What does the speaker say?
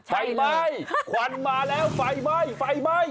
ไฟไหมควันมาแล้วไฟไหม้ไฟไหม้